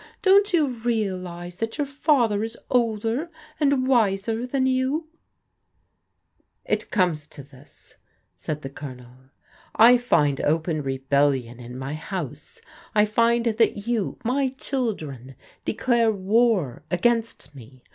Don't yott realize that your father is older and wiser than you ?"" It comes to this," said the Colonel. " I find open re bellion in my house. I find that you, my children, declare war against me.